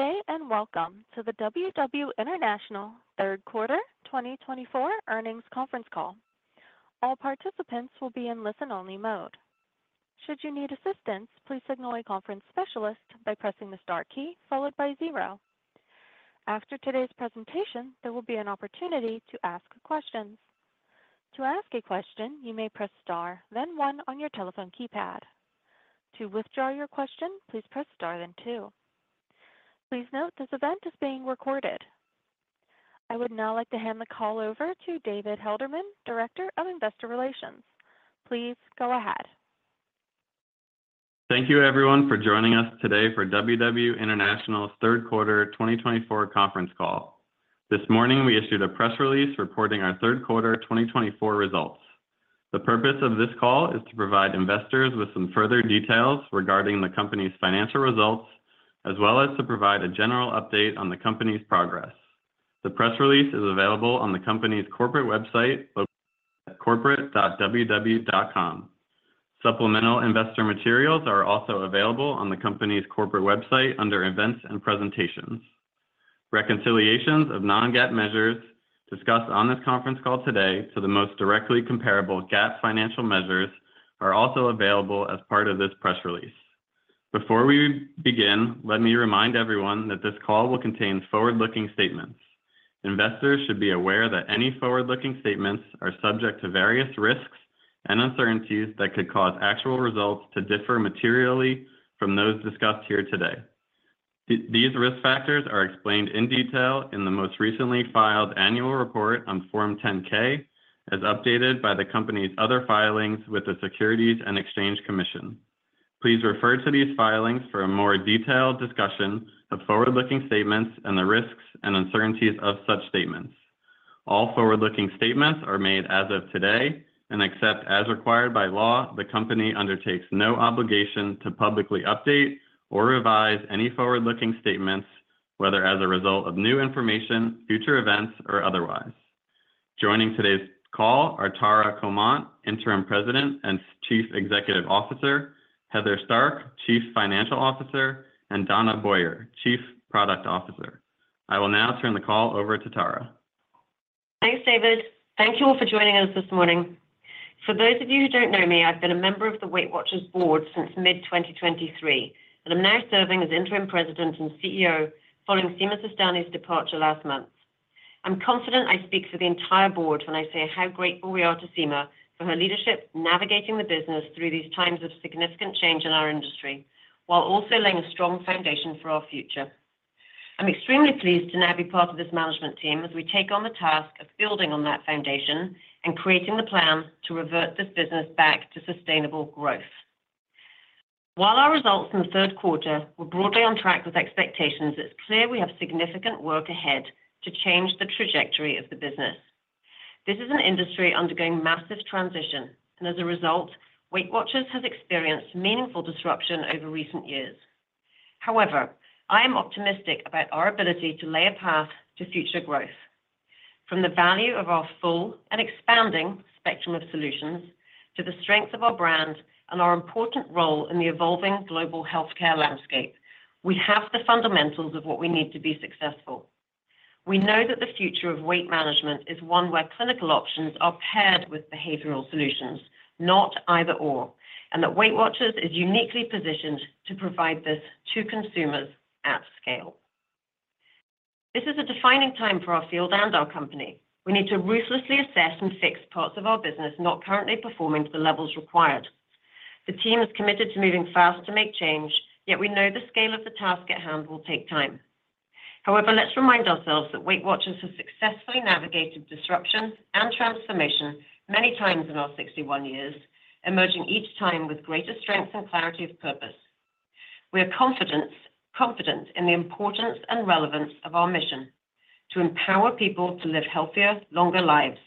Good day and welcome to the WW International Third Quarter 2024 earnings conference call. All participants will be in listen-only mode. Should you need assistance, please signal a conference specialist by pressing the star key followed by zero. After today's presentation, there will be an opportunity to ask questions. To ask a question, you may press star, then one on your telephone keypad. To withdraw your question, please press star, then two. Please note this event is being recorded. I would now like to hand the call over to David Helderman, Director of Investor Relations. Please go ahead. Thank you, everyone, for joining us today for WW International's Third Quarter 2024 conference call. This morning, we issued a press release reporting our Third Quarter 2024 results. The purpose of this call is to provide investors with some further details regarding the company's financial results, as well as to provide a general update on the company's progress. The press release is available on the company's corporate website, corporate.ww.com. Supplemental investor materials are also available on the company's corporate website under Events and Presentations. Reconciliations of non-GAAP measures discussed on this conference call today to the most directly comparable GAAP financial measures are also available as part of this press release. Before we begin, let me remind everyone that this call will contain forward-looking statements. Investors should be aware that any forward-looking statements are subject to various risks and uncertainties that could cause actual results to differ materially from those discussed here today. These risk factors are explained in detail in the most recently filed annual report on Form 10-K, as updated by the company's other filings with the Securities and Exchange Commission. Please refer to these filings for a more detailed discussion of forward-looking statements and the risks and uncertainties of such statements. All forward-looking statements are made as of today and, except as required by law, the company undertakes no obligation to publicly update or revise any forward-looking statements, whether as a result of new information, future events, or otherwise. Joining today's call are Tara Comonte, Interim President and Chief Executive Officer, Heather Stark, Chief Financial Officer, and Donna Boyer, Chief Product Officer. I will now turn the call over to Tara. Thanks, David. Thank you all for joining us this morning. For those of you who don't know me, I've been a member of the WeightWatchers board since mid-2023, and I'm now serving as Interim President and CEO following Sima Sistani's departure last month. I'm confident I speak for the entire board when I say how grateful we are to Sima for her leadership navigating the business through these times of significant change in our industry, while also laying a strong foundation for our future. I'm extremely pleased to now be part of this management team as we take on the task of building on that foundation and creating the plan to revert this business back to sustainable growth. While our results in the third quarter were broadly on track with expectations, it's clear we have significant work ahead to change the trajectory of the business. This is an industry undergoing massive transition, and as a result, WeightWatchers has experienced meaningful disruption over recent years. However, I am optimistic about our ability to lay a path to future growth. From the value of our full and expanding spectrum of solutions to the strength of our brand and our important role in the evolving global healthcare landscape, we have the fundamentals of what we need to be successful. We know that the future of weight management is one where clinical options are paired with behavioral solutions, not either/or, and that WeightWatchers is uniquely positioned to provide this to consumers at scale. This is a defining time for our field and our company. We need to ruthlessly assess and fix parts of our business not currently performing to the levels required. The team is committed to moving fast to make change, yet we know the scale of the task at hand will take time. However, let's remind ourselves that WeightWatchers has successfully navigated disruption and transformation many times in our 61 years, emerging each time with greater strength and clarity of purpose. We are confident in the importance and relevance of our mission to empower people to live healthier, longer lives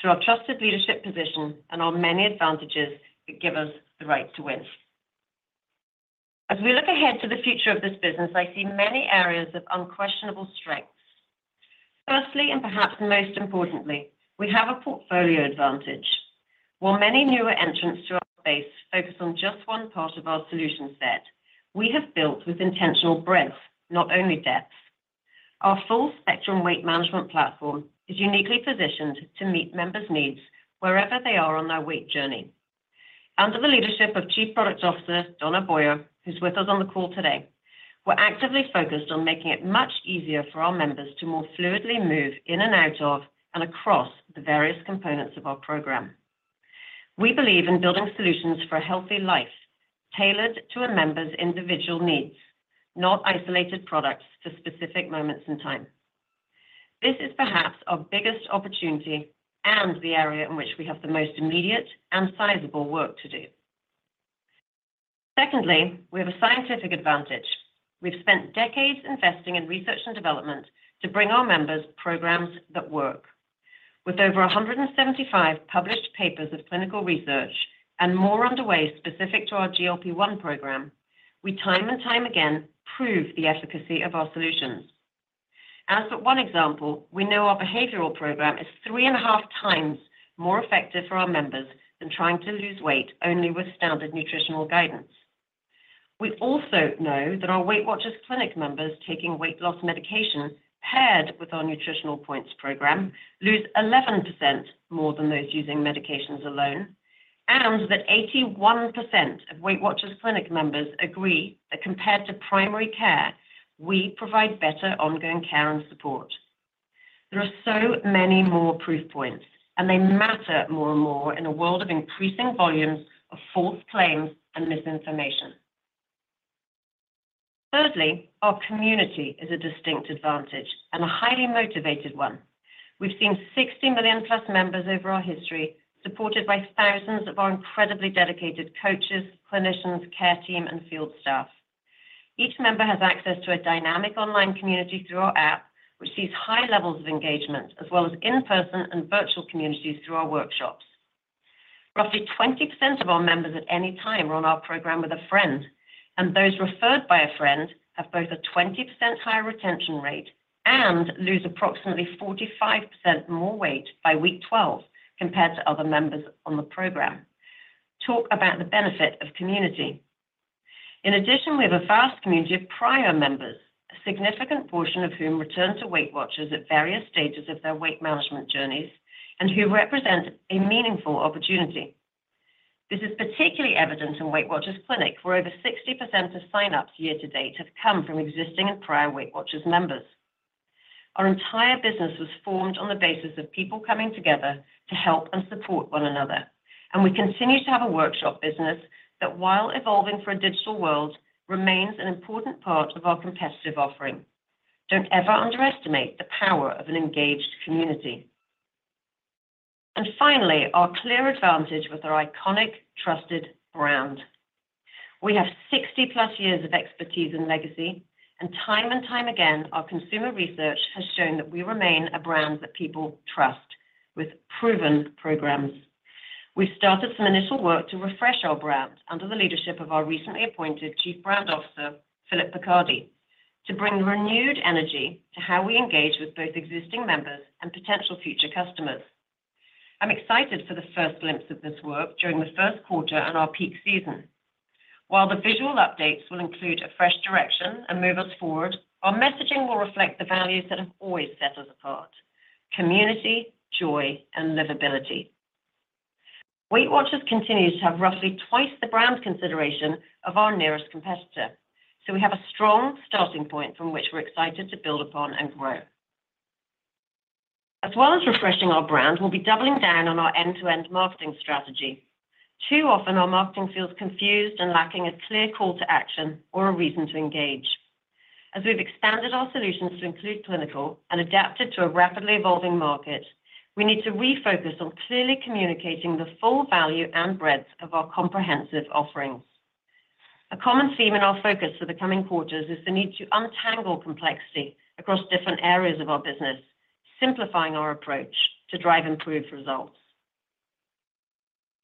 through our trusted leadership position and our many advantages that give us the right to win. As we look ahead to the future of this business, I see many areas of unquestionable strengths. Firstly, and perhaps most importantly, we have a portfolio advantage. While many newer entrants to our base focus on just one part of our solution set, we have built with intentional breadth, not only depth. Our full-spectrum weight management platform is uniquely positioned to meet members' needs wherever they are on their weight journey. Under the leadership of Chief Product Officer Donna Boyer, who's with us on the call today, we're actively focused on making it much easier for our members to more fluidly move in and out of and across the various components of our program. We believe in building solutions for a healthy life tailored to a member's individual needs, not isolated products for specific moments in time. This is perhaps our biggest opportunity and the area in which we have the most immediate and sizable work to do. Secondly, we have a scientific advantage. We've spent decades investing in research and development to bring our members programs that work. With over 175 published papers of clinical research and more underway specific to our GLP-1 program, we time and time again prove the efficacy of our solutions. As for one example, we know our behavioral program is three and a half times more effective for our members than trying to lose weight only with standard nutritional guidance. We also know that our WeightWatchers Clinic members taking weight loss medication paired with our nutritional Points program lose 11% more than those using medications alone, and that 81% of WeightWatchers Clinic members agree that compared to primary care, we provide better ongoing care and support. There are so many more proof points, and they matter more and more in a world of increasing volumes of false claims and misinformation. Thirdly, our community is a distinct advantage and a highly motivated one. We've seen 60 million plus members over our history, supported by thousands of our incredibly dedicated coaches, clinicians, care team, and field staff. Each member has access to a dynamic online community through our app, which sees high levels of engagement, as well as in-person and virtual communities through our workshops. Roughly 20% of our members at any time are on our program with a friend, and those referred by a friend have both a 20% higher retention rate and lose approximately 45% more weight by week 12 compared to other members on the program. Talk about the benefit of community. In addition, we have a vast community of prior members, a significant portion of whom return to WeightWatchers at various stages of their weight management journeys and who represent a meaningful opportunity. This is particularly evident in WeightWatchers Clinic, where over 60% of sign-ups year to date have come from existing and prior WeightWatchers members. Our entire business was formed on the basis of people coming together to help and support one another, and we continue to have a workshop business that, while evolving for a digital world, remains an important part of our competitive offering. Don't ever underestimate the power of an engaged community. And finally, our clear advantage with our iconic, trusted brand. We have 60 plus years of expertise and legacy, and time and time again, our consumer research has shown that we remain a brand that people trust with proven programs. We've started some initial work to refresh our brand under the leadership of our recently appointed Chief Brand Officer, Phillip Picardi, to bring renewed energy to how we engage with both existing members and potential future customers. I'm excited for the first glimpse of this work during the first quarter and our peak season. While the visual updates will include a fresh direction and move us forward, our messaging will reflect the values that have always set us apart: community, joy, and livability. WeightWatchers continues to have roughly twice the brand consideration of our nearest competitor, so we have a strong starting point from which we're excited to build upon and grow. As well as refreshing our brand, we'll be doubling down on our end-to-end marketing strategy. Too often, our marketing feels confused and lacking a clear call to action or a reason to engage. As we've expanded our solutions to include clinical and adapted to a rapidly evolving market, we need to refocus on clearly communicating the full value and breadth of our comprehensive offerings. A common theme in our focus for the coming quarters is the need to untangle complexity across different areas of our business, simplifying our approach to drive improved results.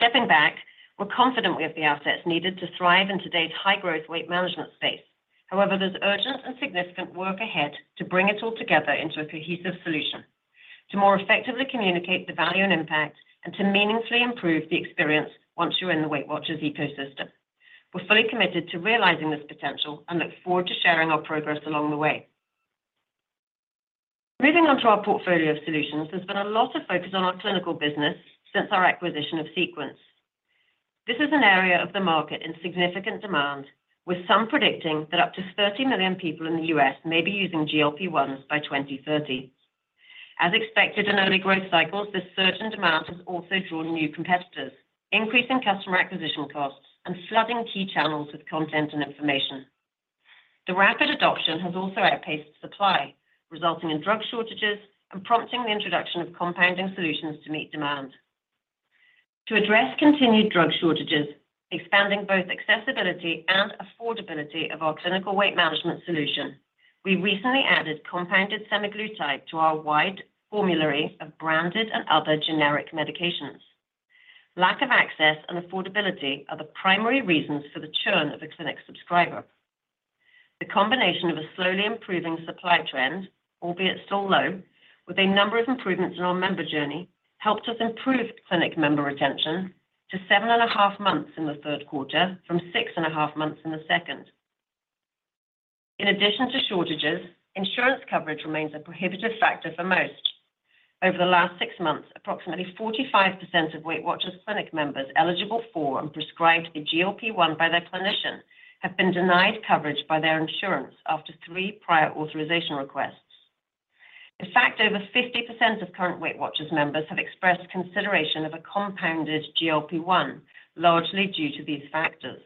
Stepping back, we're confident we have the assets needed to thrive in today's high-growth weight management space. However, there's urgent and significant work ahead to bring it all together into a cohesive solution, to more effectively communicate the value and impact, and to meaningfully improve the experience once you're in the WeightWatchers ecosystem. We're fully committed to realizing this potential and look forward to sharing our progress along the way. Moving on to our portfolio of solutions, there's been a lot of focus on our clinical business since our acquisition of Sequence. This is an area of the market in significant demand, with some predicting that up to 30 million people in the U.S. may be using GLP-1s by 2030. As expected in early growth cycles, this surge in demand has also drawn new competitors, increasing customer acquisition costs and flooding key channels with content and information. The rapid adoption has also outpaced supply, resulting in drug shortages and prompting the introduction of compounding solutions to meet demand. To address continued drug shortages, expanding both accessibility and affordability of our clinical weight management solution, we recently added compounded semaglutide to our wide formulary of branded and other generic medications. Lack of access and affordability are the primary reasons for the churn of a clinic subscriber. The combination of a slowly improving supply trend, albeit still low, with a number of improvements in our member journey helped us improve clinic member retention to seven and a half months in the third quarter from six and a half months in the second. In addition to shortages, insurance coverage remains a prohibitive factor for most. Over the last six months, approximately 45% of WeightWatchers Clinic members eligible for and prescribed a GLP-1 by their clinician have been denied coverage by their insurance after three prior authorization requests. In fact, over 50% of current WeightWatchers members have expressed consideration of a compounded GLP-1, largely due to these factors.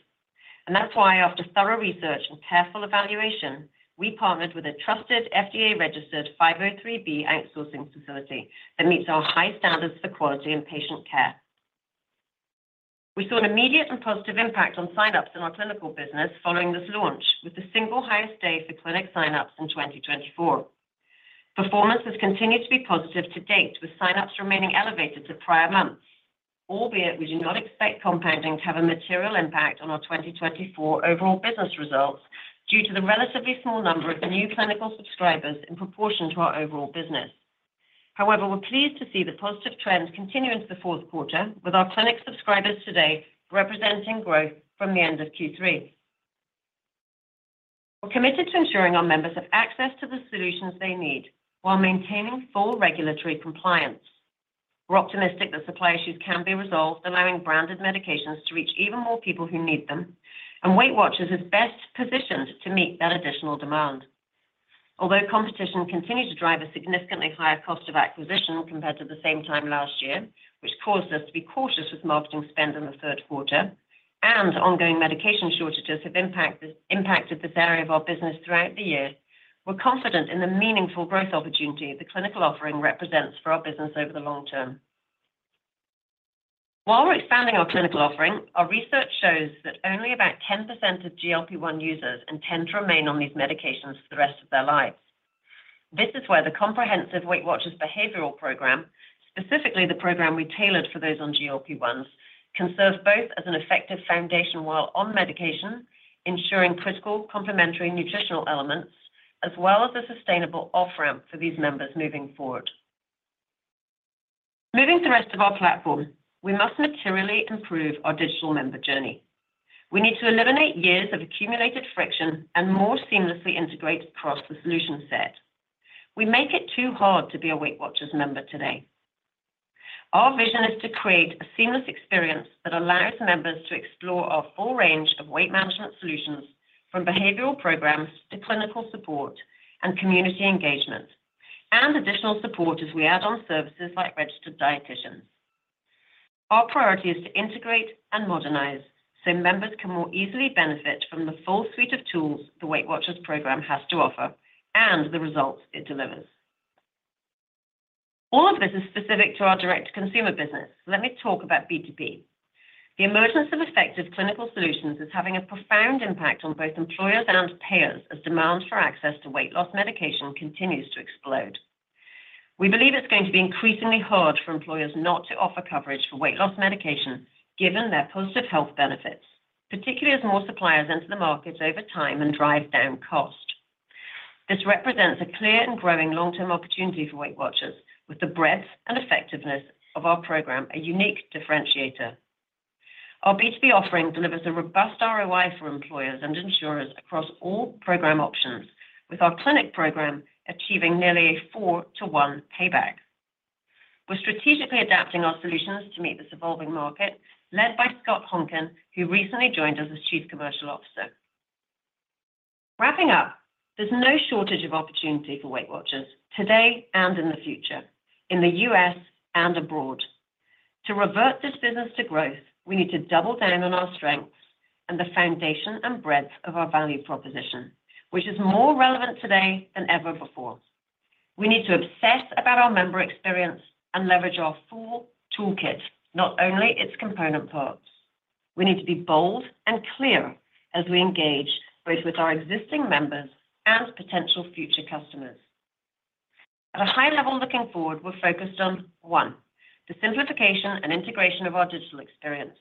And that's why, after thorough research and careful evaluation, we partnered with a trusted FDA-registered 503B Outsourcing Facility that meets our high standards for quality and patient care. We saw an immediate and positive impact on sign-ups in our clinical business following this launch, with the single highest day for clinic sign-ups in 2024. Performance has continued to be positive to date, with sign-ups remaining elevated to prior months, albeit we do not expect compounding to have a material impact on our 2024 overall business results due to the relatively small number of new clinical subscribers in proportion to our overall business. However, we're pleased to see the positive trend continue into the fourth quarter, with our clinic subscribers today representing growth from the end of Q3. We're committed to ensuring our members have access to the solutions they need while maintaining full regulatory compliance. We're optimistic that supply issues can be resolved, allowing branded medications to reach even more people who need them, and WeightWatchers is best positioned to meet that additional demand. Although competition continues to drive a significantly higher cost of acquisition compared to the same time last year, which caused us to be cautious with marketing spend in the third quarter and ongoing medication shortages have impacted this area of our business throughout the year, we're confident in the meaningful growth opportunity the clinical offering represents for our business over the long term. While we're expanding our clinical offering, our research shows that only about 10% of GLP-1 users intend to remain on these medications for the rest of their lives. This is where the comprehensive WeightWatchers behavioral program, specifically the program we tailored for those on GLP-1s, can serve both as an effective foundation while on medication, ensuring critical complementary nutritional elements, as well as a sustainable off-ramp for these members moving forward. Moving to the rest of our platform, we must materially improve our digital member journey. We need to eliminate years of accumulated friction and more seamlessly integrate across the solution set. We make it too hard to be a WeightWatchers member today. Our vision is to create a seamless experience that allows members to explore our full range of weight management solutions, from behavioral programs to clinical support and community engagement, and additional support as we add on services like registered dietitians. Our priority is to integrate and modernize so members can more easily benefit from the full suite of tools the WeightWatchers program has to offer and the results it delivers. All of this is specific to our direct-to-consumer business. Let me talk about B2B. The emergence of effective clinical solutions is having a profound impact on both employers and payers as demand for access to weight loss medication continues to explode. We believe it's going to be increasingly hard for employers not to offer coverage for weight loss medication given their positive health benefits, particularly as more suppliers enter the market over time and drive down cost. This represents a clear and growing long-term opportunity for WeightWatchers, with the breadth and effectiveness of our program a unique differentiator. Our B2B offering delivers a robust ROI for employers and insurers across all program options, with our clinic program achieving nearly a four-to-one payback. We're strategically adapting our solutions to meet this evolving market, led by Scott Honken, who recently joined us as Chief Commercial Officer. Wrapping up, there's no shortage of opportunity for WeightWatchers today and in the future, in the U.S. and abroad. To revert this business to growth, we need to double down on our strengths and the foundation and breadth of our value proposition, which is more relevant today than ever before. We need to obsess about our member experience and leverage our full toolkit, not only its component parts. We need to be bold and clear as we engage both with our existing members and potential future customers. At a high level looking forward, we're focused on, one, the simplification and integration of our digital experience,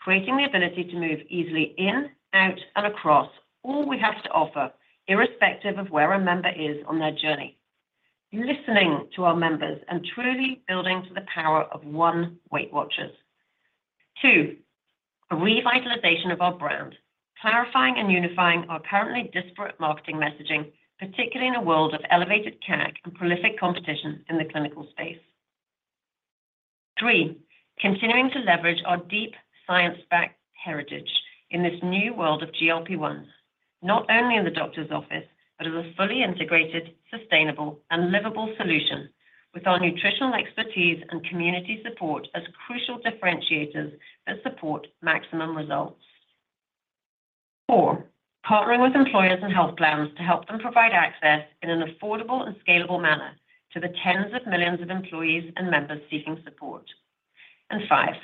creating the ability to move easily in, out, and across all we have to offer, irrespective of where a member is on their journey, listening to our members and truly building to the power of one WeightWatchers. Two, a revitalization of our brand, clarifying and unifying our currently disparate marketing messaging, particularly in a world of elevated CAC and prolific competition in the clinical space. Three, continuing to leverage our deep science-backed heritage in this new world of GLP-1s, not only in the doctor's office, but as a fully integrated, sustainable, and livable solution, with our nutritional expertise and community support as crucial differentiators that support maximum results. Four, partnering with employers and health plans to help them provide access in an affordable and scalable manner to the tens of millions of employees and members seeking support. And five,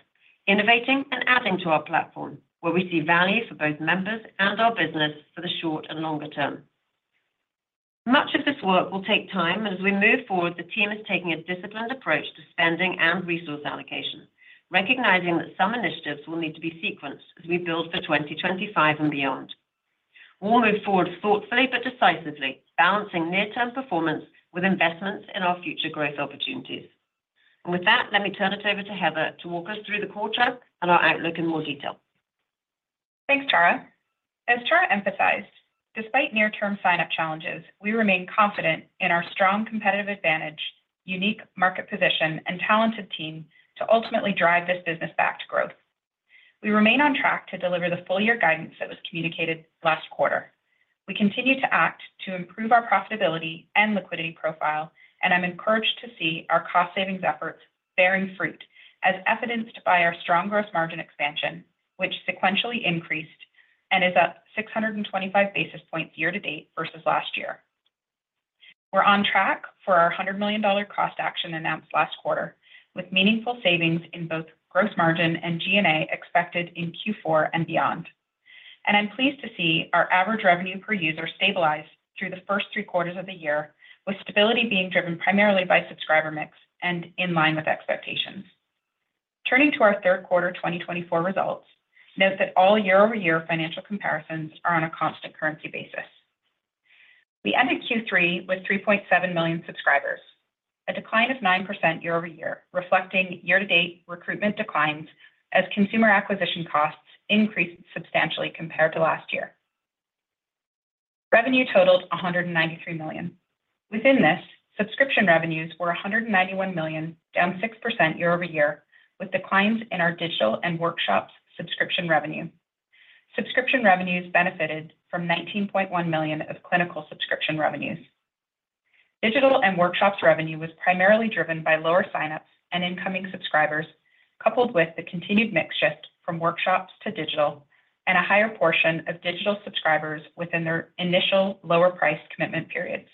innovating and adding to our platform, where we see value for both members and our business for the short and longer term. Much of this work will take time, and as we move forward, the team is taking a disciplined approach to spending and resource allocation, recognizing that some initiatives will need to be sequenced as we build for 2025 and beyond. We'll move forward thoughtfully but decisively, balancing near-term performance with investments in our future growth opportunities. And with that, let me turn it over to Heather to walk us through the quarter and our outlook in more detail. Thanks, Tara. As Tara emphasized, despite near-term sign-up challenges, we remain confident in our strong competitive advantage, unique market position, and talented team to ultimately drive this business back to growth. We remain on track to deliver the full-year guidance that was communicated last quarter. We continue to act to improve our profitability and liquidity profile, and I'm encouraged to see our cost-savings efforts bearing fruit as evidenced by our strong gross margin expansion, which sequentially increased and is up 625 basis points year to date versus last year. We're on track for our $100 million cost action announced last quarter, with meaningful savings in both gross margin and G&A expected in Q4 and beyond. And I'm pleased to see our average revenue per user stabilize through the first three quarters of the year, with stability being driven primarily by subscriber mix and in line with expectations. Turning to our third quarter 2024 results, note that all year-over-year financial comparisons are on a constant currency basis. We ended Q3 with 3.7 million subscribers, a decline of 9% year-over-year, reflecting year-to-date recruitment declines as consumer acquisition costs increased substantially compared to last year. Revenue totaled $193 million. Within this, subscription revenues were $191 million, down 6% year-over-year, with declines in our digital and workshops subscription revenue. Subscription revenues benefited from $19.1 million of clinical subscription revenues. Digital and workshops revenue was primarily driven by lower sign-ups and incoming subscribers, coupled with the continued mix shift from workshops to digital and a higher portion of digital subscribers within their initial lower-priced commitment periods.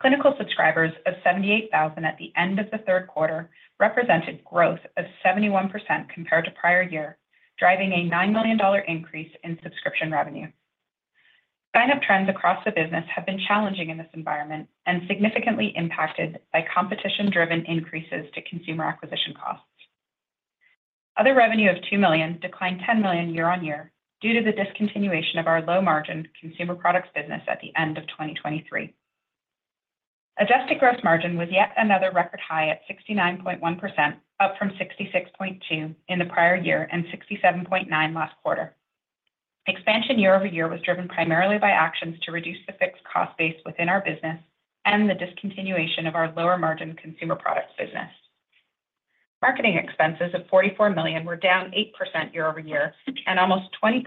Clinical subscribers of 78,000 at the end of the third quarter represented growth of 71% compared to prior year, driving a $9 million increase in subscription revenue. Sign-up trends across the business have been challenging in this environment and significantly impacted by competition-driven increases to consumer acquisition costs. Other revenue of $2 million declined $10 million year-on-year due to the discontinuation of our low-margin consumer products business at the end of 2023. Adjusted Gross Margin was yet another record high at 69.1%, up from 66.2% in the prior year and 67.9% last quarter. Expansion year-over-year was driven primarily by actions to reduce the fixed cost base within our business and the discontinuation of our lower-margin consumer products business. Marketing expenses of $44 million were down 8% year-over-year and almost 20%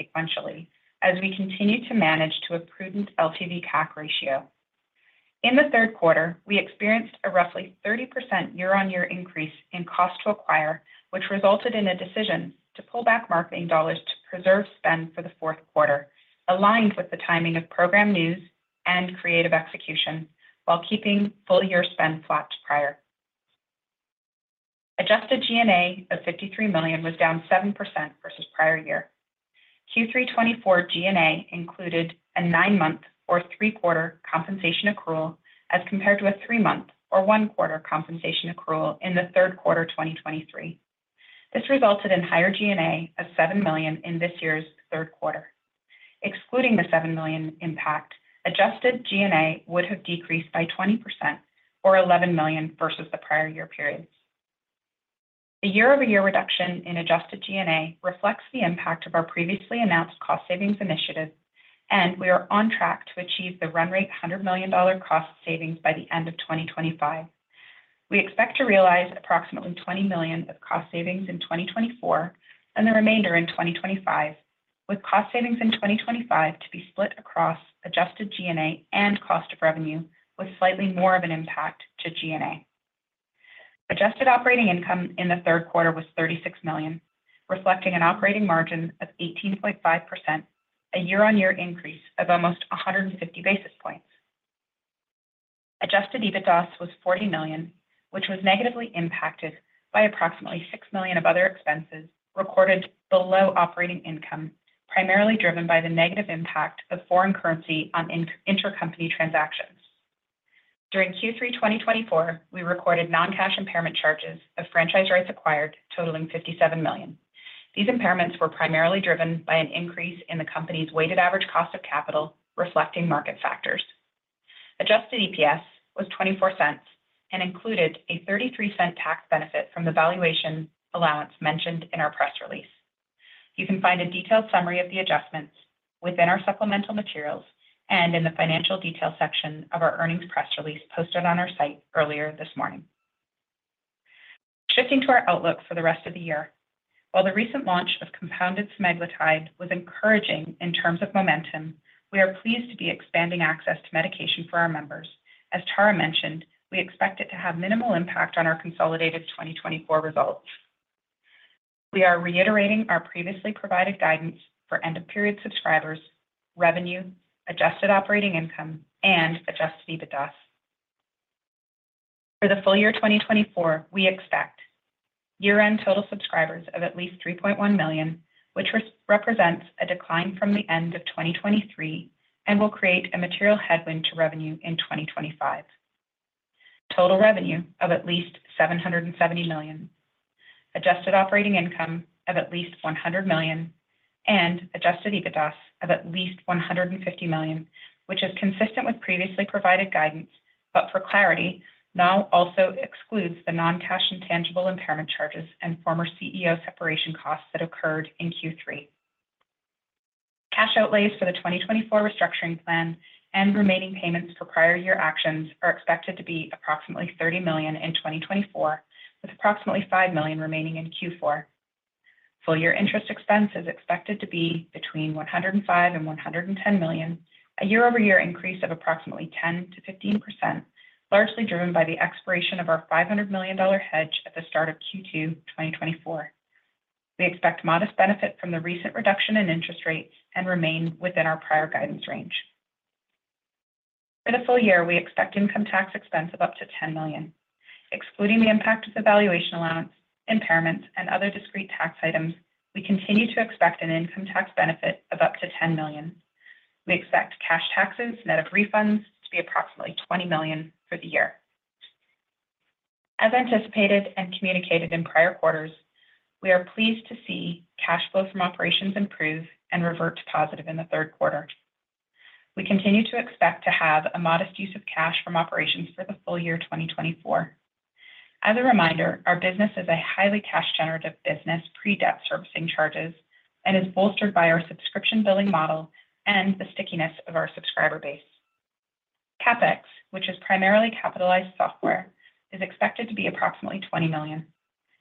sequentially as we continued to manage to a prudent LTV-CAC ratio. In the third quarter, we experienced a roughly 30% year-on-year increase in cost to acquire, which resulted in a decision to pull back marketing dollars to preserve spend for the fourth quarter, aligned with the timing of program news and creative execution while keeping full-year spend flat to prior. Adjusted G&A of $53 million was down 7% versus prior year. Q3 2024 G&A included a nine-month or three-quarter compensation accrual as compared to a three-month or one-quarter compensation accrual in the third quarter 2023. This resulted in higher G&A of $7 million in this year's third quarter. Excluding the $7 million impact, adjusted G&A would have decreased by 20% or $11 million versus the prior year periods. The year-over-year reduction in adjusted G&A reflects the impact of our previously announced cost savings initiative, and we are on track to achieve the run rate $100 million cost savings by the end of 2025. We expect to realize approximately $20 million of cost savings in 2024 and the remainder in 2025, with cost savings in 2025 to be split across adjusted G&A and cost of revenue, with slightly more of an impact to G&A. Adjusted operating income in the third quarter was $36 million, reflecting an operating margin of 18.5%, a year-on-year increase of almost 150 basis points. Adjusted EBITDA was $40 million, which was negatively impacted by approximately $6 million of other expenses recorded below operating income, primarily driven by the negative impact of foreign currency on intercompany transactions. During Q3 2024, we recorded non-cash impairment charges of franchise rights acquired totaling $57 million. These impairments were primarily driven by an increase in the company's weighted average cost of capital, reflecting market factors. Adjusted EPS was $0.24 and included a $0.33 tax benefit from the valuation allowance mentioned in our press release. You can find a detailed summary of the adjustments within our supplemental materials and in the financial detail section of our earnings press release posted on our site earlier this morning. Shifting to our outlook for the rest of the year, while the recent launch of compounded semaglutide was encouraging in terms of momentum, we are pleased to be expanding access to medication for our members. As Tara mentioned, we expect it to have minimal impact on our consolidated 2024 results. We are reiterating our previously provided guidance for end-of-period subscribers, revenue, Adjusted Operating Income, and Adjusted EBITDA. For the full year 2024, we expect year-end total subscribers of at least 3.1 million, which represents a decline from the end of 2023 and will create a material headwind to revenue in 2025. Total revenue of at least $770 million, adjusted operating income of at least $100 million, and adjusted EBITDA of at least $150 million, which is consistent with previously provided guidance, but for clarity, now also excludes the non-cash intangible impairment charges and former CEO separation costs that occurred in Q3. Cash outlays for the 2024 restructuring plan and remaining payments for prior year actions are expected to be approximately $30 million in 2024, with approximately $5 million remaining in Q4. Full-year interest expense is expected to be between $105 million and $110 million, a year-over-year increase of approximately 10%-15%, largely driven by the expiration of our $500 million hedge at the start of Q2 2024. We expect modest benefit from the recent reduction in interest rates and remain within our prior guidance range. For the full year, we expect income tax expense of up to $10 million. Excluding the impact of the valuation allowance, impairments, and other discrete tax items, we continue to expect an income tax benefit of up to $10 million. We expect cash taxes, net of refunds, to be approximately $20 million for the year. As anticipated and communicated in prior quarters, we are pleased to see cash flows from operations improve and revert to positive in the third quarter. We continue to expect to have a modest use of cash from operations for the full year 2024. As a reminder, our business is a highly cash-generative business pre-debt servicing charges and is bolstered by our subscription billing model and the stickiness of our subscriber base. CapEx, which is primarily capitalized software, is expected to be approximately $20 million.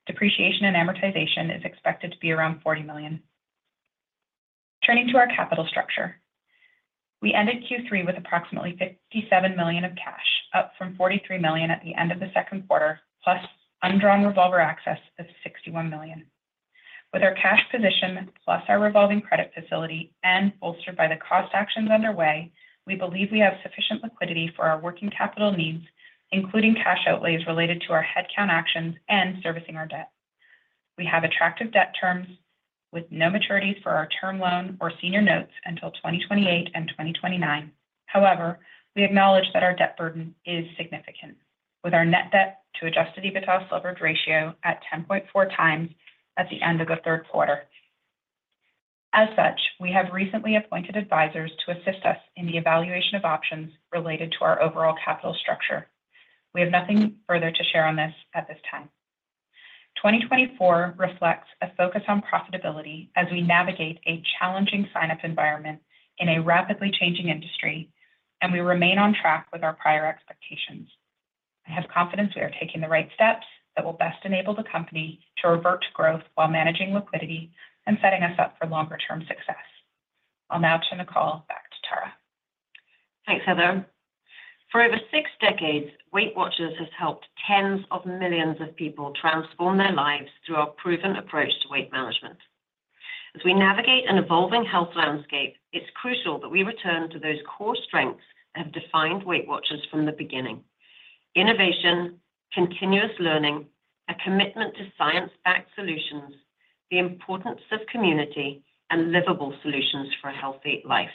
Depreciation and amortization is expected to be around $40 million. Turning to our capital structure, we ended Q3 with approximately $57 million of cash, up from $43 million at the end of the second quarter, plus undrawn revolver access of $61 million. With our cash position plus our revolving credit facility and bolstered by the cost actions underway, we believe we have sufficient liquidity for our working capital needs, including cash outlays related to our headcount actions and servicing our debt. We have attractive debt terms with no maturities for our term loan or senior notes until 2028 and 2029. However, we acknowledge that our debt burden is significant, with our net debt to adjusted EBITDA leverage ratio at 10.4 times at the end of the third quarter. As such, we have recently appointed advisors to assist us in the evaluation of options related to our overall capital structure. We have nothing further to share on this at this time. 2024 reflects a focus on profitability as we navigate a challenging sign-up environment in a rapidly changing industry, and we remain on track with our prior expectations. I have confidence we are taking the right steps that will best enable the company to revert to growth while managing liquidity and setting us up for longer-term success. I'll now turn the call back to Tara. Thanks, Heather. For over six decades, WeightWatchers has helped tens of millions of people transform their lives through our proven approach to weight management. As we navigate an evolving health landscape, it's crucial that we return to those core strengths that have defined WeightWatchers from the beginning: innovation, continuous learning, a commitment to science-backed solutions, the importance of community, and livable solutions for a healthy life.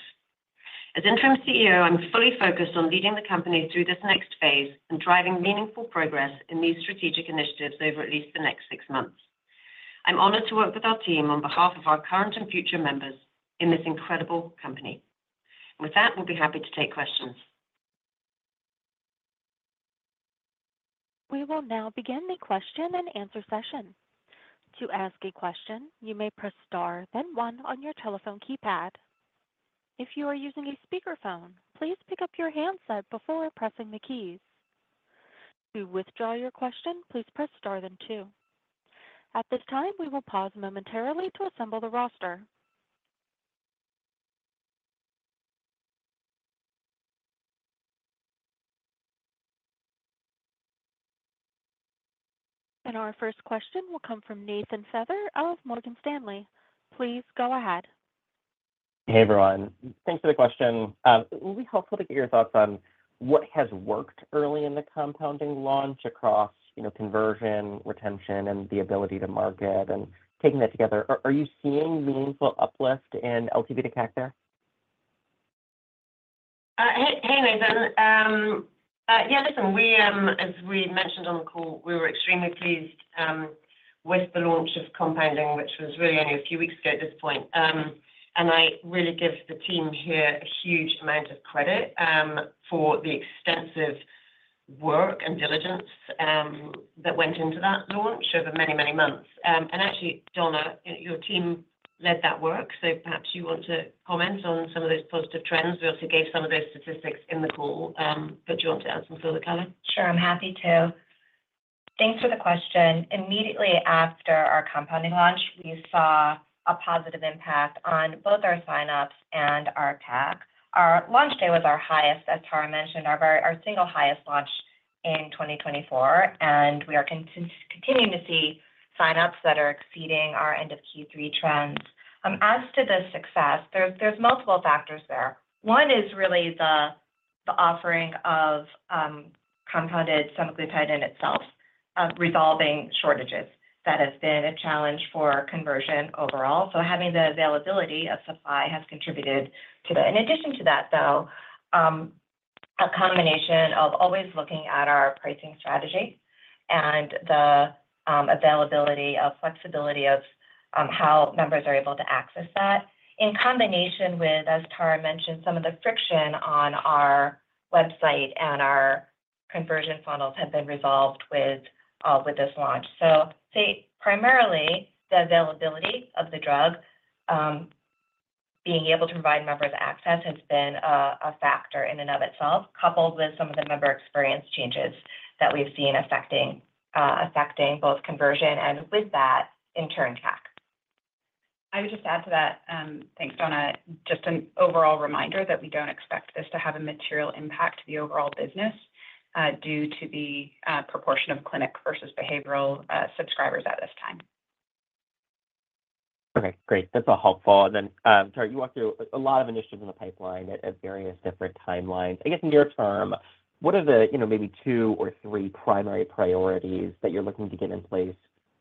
As Interim CEO, I'm fully focused on leading the company through this next phase and driving meaningful progress in these strategic initiatives over at least the next six months. I'm honored to work with our team on behalf of our current and future members in this incredible company. With that, we'll be happy to take questions. We will now begin the question and answer session. To ask a question, you may press star, then one on your telephone keypad. If you are using a speakerphone, please pick up your handset before pressing the keys. To withdraw your question, please press star, then two. At this time, we will pause momentarily to assemble the roster. And our first question will come from Nathan Feather of Morgan Stanley. Please go ahead. Hey, everyone. Thanks for the question. It will be helpful to get your thoughts on what has worked early in the compounding launch across conversion, retention, and the ability to market and taking that together. Are you seeing meaningful uplift in LTV to CAC there? Hey, Nathan. Yeah, listen, as we mentioned on the call, we were extremely pleased with the launch of compounding, which was really only a few weeks ago at this point. And I really give the team here a huge amount of credit for the extensive work and diligence that went into that launch over many, many months. And actually, Donna, your team led that work, so perhaps you want to comment on some of those positive trends. We also gave some of those statistics in the call. But do you want to add some further color? Sure, I'm happy to. Thanks for the question. Immediately after our compounding launch, we saw a positive impact on both our sign-ups and our CAC. Our launch day was our highest, as Tara mentioned, our single highest launch in 2024, and we are continuing to see sign-ups that are exceeding our end-of-Q3 trends. As to the success, there's multiple factors there. One is really the offering of compounded semaglutide in itself, resolving shortages. That has been a challenge for conversion overall. So having the availability of supply has contributed to that. In addition to that, though, a combination of always looking at our pricing strategy and the availability of flexibility of how members are able to access that, in combination with, as Tara mentioned, some of the friction on our website and our conversion funnels have been resolved with this launch. So I'd say primarily the availability of the drug, being able to provide members access, has been a factor in and of itself, coupled with some of the member experience changes that we've seen affecting both conversion and with that, in turn, CAC. I would just add to that, thanks, Donna, just an overall reminder that we don't expect this to have a material impact to the overall business due to the proportion of clinic versus behavioral subscribers at this time. Okay, great. That's all helpful. And then, Tara, you walked through a lot of initiatives in the pipeline at various different timelines. I guess in your term, what are the maybe two or three primary priorities that you're looking to get in place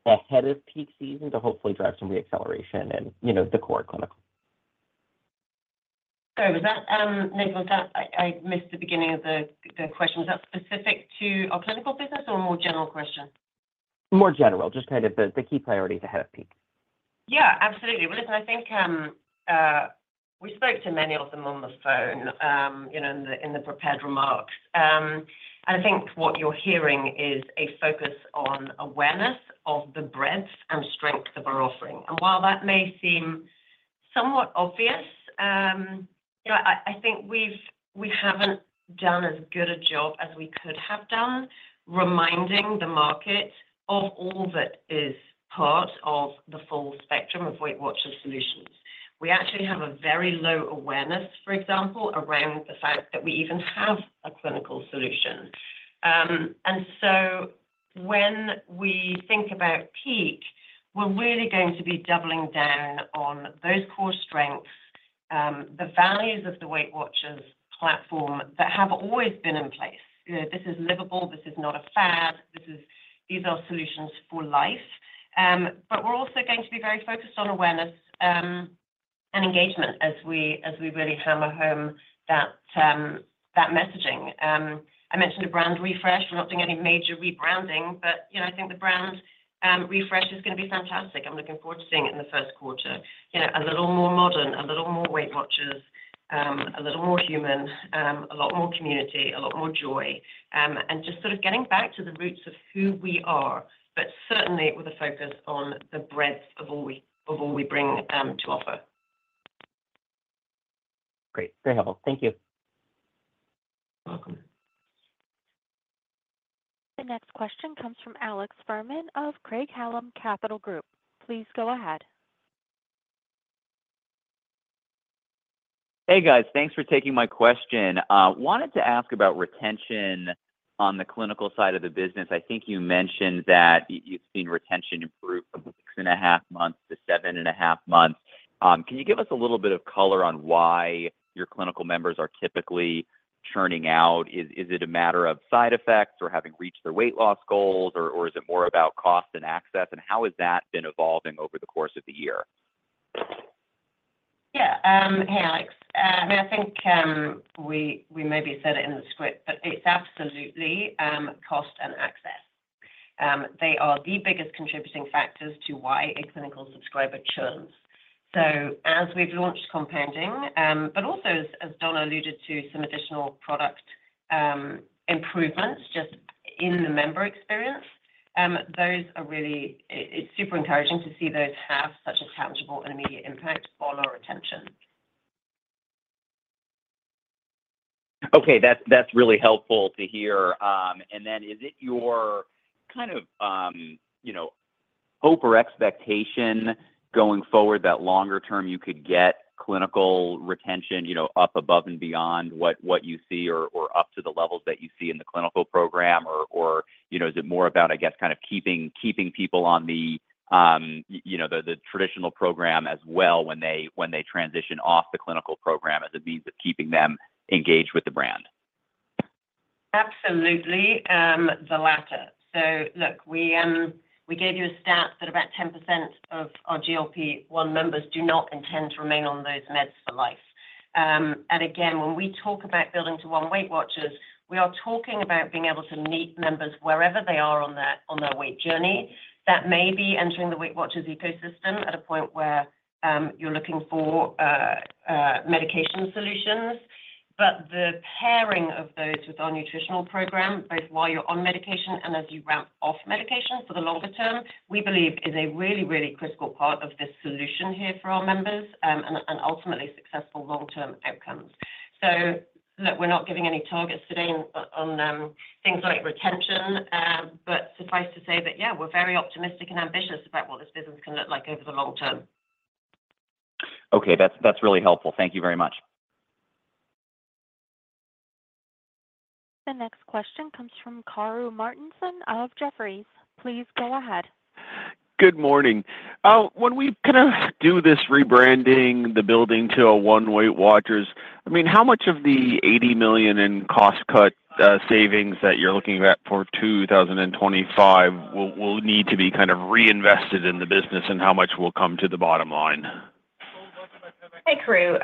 ahead of peak season to hopefully drive some reacceleration in the core clinical? Sorry, was that Nathan, was that I missed the beginning of the question. Was that specific to our clinical business or a more general question? More general, just kind of the key priorities ahead of peak. Yeah, absolutely. Well, listen, I think we spoke to many of them on the phone in the prepared remarks. And I think what you're hearing is a focus on awareness of the breadth and strength of our offering. And while that may seem somewhat obvious, I think we haven't done as good a job as we could have done reminding the market of all that is part of the full spectrum of WeightWatchers solutions. We actually have a very low awareness, for example, around the fact that we even have a clinical solution. And so when we think about peak, we're really going to be doubling down on those core strengths, the values of the WeightWatchers platform that have always been in place. This is livable, this is not a fad, these are solutions for life. But we're also going to be very focused on awareness and engagement as we really hammer home that messaging. I mentioned a brand refresh. We're not doing any major rebranding, but I think the brand refresh is going to be fantastic. I'm looking forward to seeing it in the first quarter. A little more modern, a little more WeightWatchers, a little more human, a lot more community, a lot more joy, and just sort of getting back to the roots of who we are, but certainly with a focus on the breadth of all we bring to offer. Great. Very helpful. Thank you. You're welcome. The next question comes from Alex Fuhrman of Craig-Hallum Capital Group. Please go ahead. Hey, guys. Thanks for taking my question. Wanted to ask about retention on the clinical side of the business. I think you mentioned that you've seen retention improve from six and a half months to seven and a half months. Can you give us a little bit of color on why your clinical members are typically churning out? Is it a matter of side effects or having reached their weight loss goals, or is it more about cost and access? And how has that been evolving over the course of the year? Yeah. Hey, Alex. I mean, I think we maybe said it in the script, but it's absolutely cost and access. They are the biggest contributing factors to why a clinical subscriber churns. So as we've launched compounding, but also as Donna alluded to, some additional product improvements just in the member experience, those are really, it's super encouraging to see those have such a tangible and immediate impact on our retention. Okay. That's really helpful to hear. And then is it your kind of hope or expectation going forward that longer term you could get clinical retention up above and beyond what you see or up to the levels that you see in the clinical program? Or is it more about, I guess, kind of keeping people on the traditional program as well when they transition off the clinical program as a means of keeping them engaged with the brand? Absolutely, the latter. So look, we gave you a stat that about 10% of our GLP-1 members do not intend to remain on those meds for life. Again, when we talk about building to one WeightWatchers, we are talking about being able to meet members wherever they are on their weight journey. That may be entering the WeightWatchers ecosystem at a point where you're looking for medication solutions. The pairing of those with our nutritional program, both while you're on medication and as you ramp off medication for the longer term, we believe is a really, really critical part of the solution here for our members and ultimately successful long-term outcomes. Look, we're not giving any targets today on things like retention, but suffice to say that, yeah, we're very optimistic and ambitious about what this business can look like over the long term. Okay. That's really helpful. Thank you very much. The next question comes from Karru Martinson of Jefferies. Please go ahead. Good morning. When we kind of do this rebranding, the building to a one WeightWatchers, I mean, how much of the $80 million in cost-cut savings that you're looking at for 2025 will need to be kind of reinvested in the business, and how much will come to the bottom line? Hey, Karru.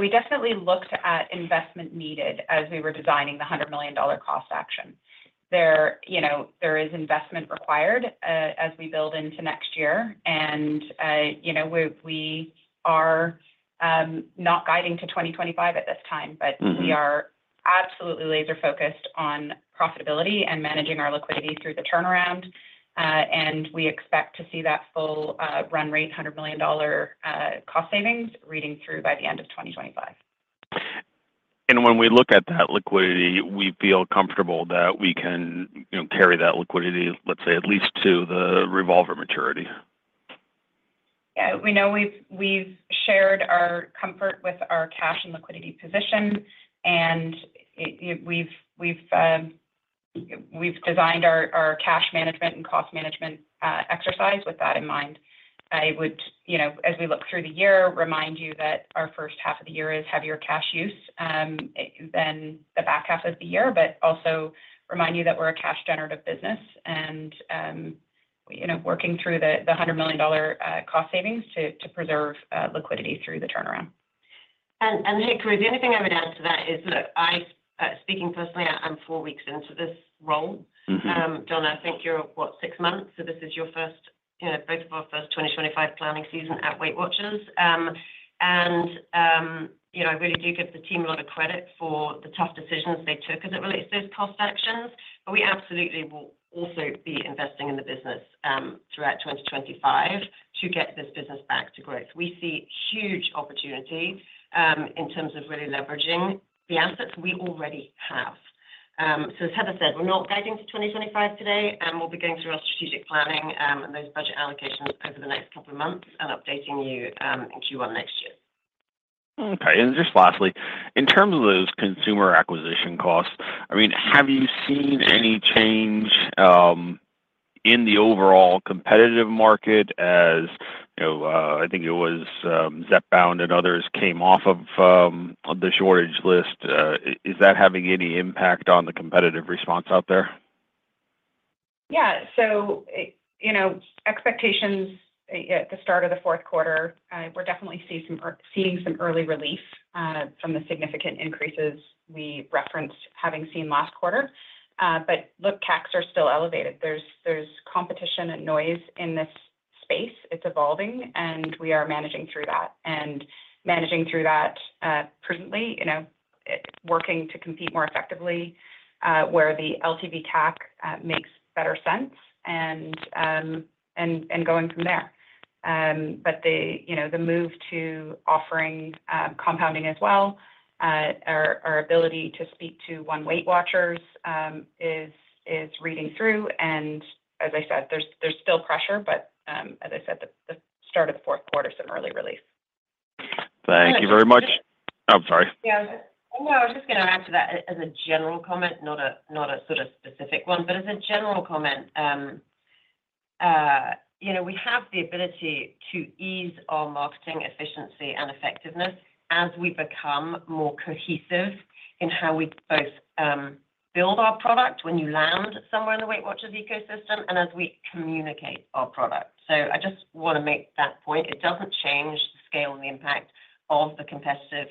We definitely looked at investment needed as we were designing the $100 million cost action. There is investment required as we build into next year. We are not guiding to 2025 at this time, but we are absolutely laser-focused on profitability and managing our liquidity through the turnaround. We expect to see that full run rate, $100 million cost savings, reading through by the end of 2025. When we look at that liquidity, we feel comfortable that we can carry that liquidity, let's say, at least to the revolver maturity. Yeah. We know we've shared our comfort with our cash and liquidity position, and we've designed our cash management and cost management exercise with that in mind. I would, as we look through the year, remind you that our first half of the year is heavier cash use than the back half of the year, but also remind you that we're a cash-generative business and working through the $100 million cost savings to preserve liquidity through the turnaround. Hey, Karru, the only thing I would add to that is, look, speaking personally, I'm four weeks into this role. Donna, I think you're, what, six months? So this is your first, both of our first 2025 planning season at WeightWatchers. I really do give the team a lot of credit for the tough decisions they took as it relates to those cost actions. But we absolutely will also be investing in the business throughout 2025 to get this business back to growth. We see huge opportunity in terms of really leveraging the assets we already have. So as Heather said, we're not guiding to 2025 today, and we'll be going through our strategic planning and those budget allocations over the next couple of months and updating you in Q1 next year. Okay. And just lastly, in terms of those consumer acquisition costs, I mean, have you seen any change in the overall competitive market as I think it was Zepbound and others came off of the shortage list? Is that having any impact on the competitive response out there? Yeah. So expectations at the start of the fourth quarter, we're definitely seeing some early relief from the significant increases we referenced having seen last quarter. But look, CACs are still elevated. There's competition and noise in this space. It's evolving, and we are managing through that and managing through that prudently, working to compete more effectively where the LTV CAC makes better sense and going from there. But the move to offering compounding as well, our ability to speak to one WeightWatchers is reading through. And as I said, there's still pressure, but as I said, the start of the fourth quarter, some early relief. Thank you very much. I'm sorry. Yeah. No, I was just going to add to that as a general comment, not a sort of specific one, but as a general comment, we have the ability to ease our marketing efficiency and effectiveness as we become more cohesive in how we both build our product when you land somewhere in the WeightWatchers ecosystem and as we communicate our product. So I just want to make that point. It doesn't change the scale and the impact of the competitive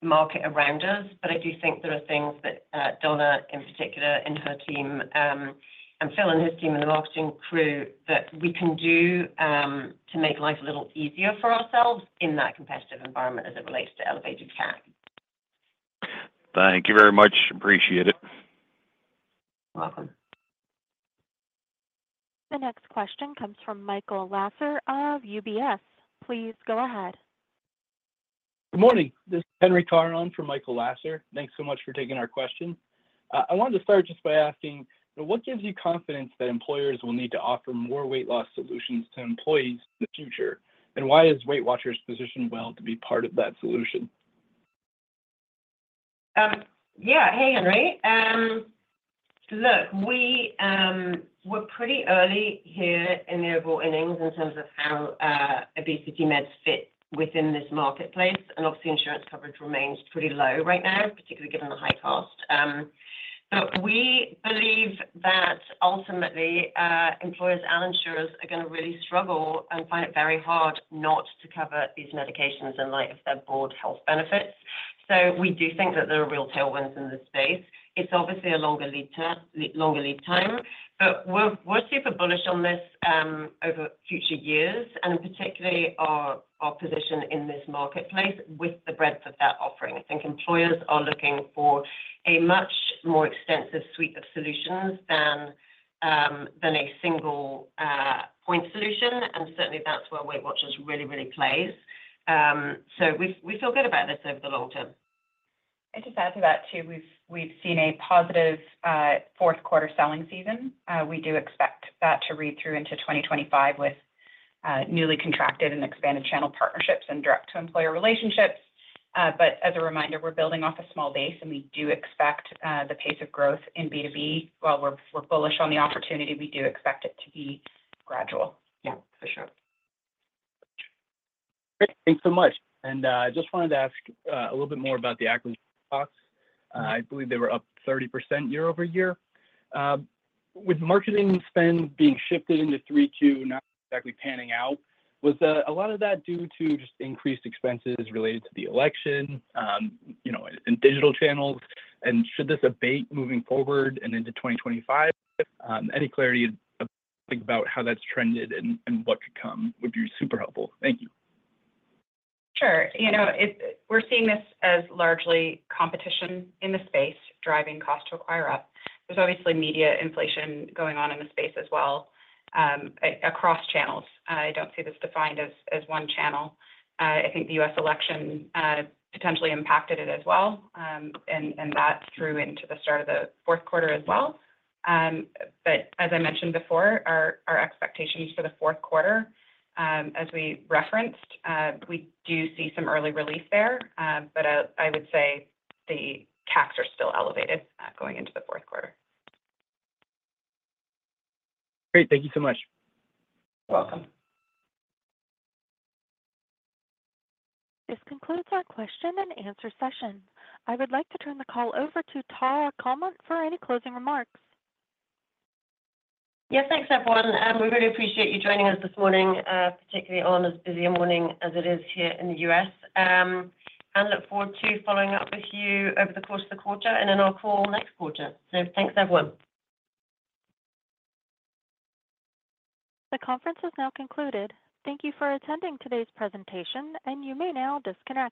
market around us, but I do think there are things that Donna, in particular, in her team and Phil and his team in the marketing crew, that we can do to make life a little easier for ourselves in that competitive environment as it relates to elevated CAC. Thank you very much. Appreciate it. You're welcome. The next question comes from Michael Lassar of UBS. Please go ahead. Good morning. This is Henry Chien for Michael Lassar. Thanks so much for taking our question. I wanted to start just by asking, what gives you confidence that employers will need to offer more weight loss solutions to employees in the future? And why is WeightWatchers positioned well to be part of that solution? Yeah. Hey, Henry. Look, we were pretty early here in the overall earnings in terms of how obesity meds fit within this marketplace. And obviously, insurance coverage remains pretty low right now, particularly given the high cost. But we believe that ultimately, employers and insurers are going to really struggle and find it very hard not to cover these medications in light of their broad health benefits. So we do think that there are real tailwinds in this space. It's obviously a longer lead time, but we're super bullish on this over future years and particularly our position in this marketplace with the breadth of that offering. I think employers are looking for a much more extensive suite of solutions than a single point solution. And certainly, that's where WeightWatchers really, really plays. So we feel good about this over the long term. I just add to that too. We've seen a positive fourth quarter selling season. We do expect that to read through into 2025 with newly contracted and expanded channel partnerships and direct-to-employer relationships. But as a reminder, we're building off a small base, and we do expect the pace of growth in B2B, while we're bullish on the opportunity, we do expect it to be gradual. Yeah, for sure. Great. Thanks so much. And I just wanted to ask a little bit more about the acquisition costs. I believe they were up 30% year-over-year. With marketing spend being shifted into 3Q and not exactly panning out, was a lot of that due to just increased expenses related to the election and digital channels? And should this abate moving forward and into 2025? Any clarity about how that's trended and what could come would be super helpful. Thank you. Sure. We're seeing this as largely competition in the space driving cost to acquire up. There's obviously media inflation going on in the space as well across channels. I don't see this defined as one channel. I think the U.S. election potentially impacted it as well, and that drew into the start of the fourth quarter as well. But as I mentioned before, our expectations for the fourth quarter, as we referenced, we do see some early relief there, but I would say the CACs are still elevated going into the fourth quarter. Great. Thank you so much. You're welcome. This concludes our question and answer session. I would like to turn the call over to Tara Comonte for any closing remarks. Yes, thanks, everyone. We really appreciate you joining us this morning, particularly on as busy a morning as it is here in the U.S. I look forward to following up with you over the course of the quarter and in our call next quarter. So thanks, everyone. The conference has now concluded. Thank you for attending today's presentation, and you may now disconnect.